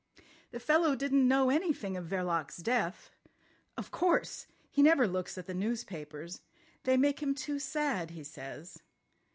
"The fellow didn't know anything of Verloc's death. Of course! He never looks at the newspapers. They make him too sad, he says.